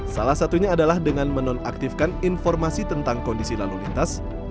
salah satunya adalah dengan menonaktifkan informasi tentang kondisi lalu lintas